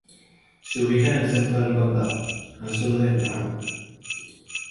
Se ubica en el centro del condado, al sur de Rapla.